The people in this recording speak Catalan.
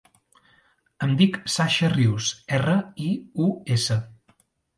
Em dic Sasha Rius: erra, i, u, essa.